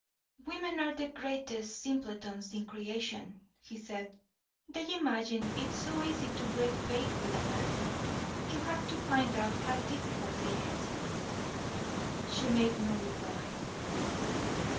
"Women are the greatest simpletons in creation," he said; "they imagine it so easy to break faith with a man. You have to find out how difficult it is." She made no reply.